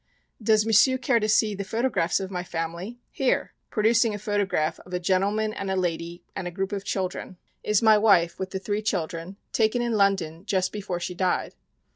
"Does M'sieu' care to see the photographs of my family? Here," producing a photograph of a gentleman and lady and a group of children, "is my wife with the three children, taken in London just before she died."